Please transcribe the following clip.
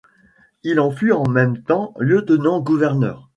Il en fut en même temps Lieutenant-Gouverneur.